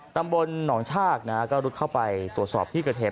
ตำบลหนองชาตินะครับก็รุดเข้าไปตรวจสอบที่กระเทศ